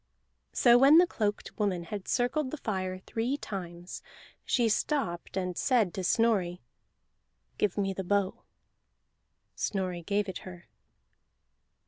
So when the cloaked woman had circled the fire three times, she stopped and said to Snorri, "Give me the bow." Snorri gave it her.